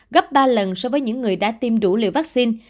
gấp ba lần so với những người đã tiêm đủ liều vaccine